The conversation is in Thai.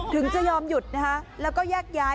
ถึงจะยอมหยุดนะคะแล้วก็แยกย้าย